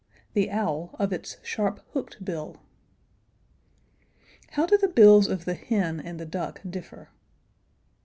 The owl, of its sharp hooked bill? How do the bills of the hen and the duck differ?